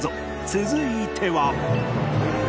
続いては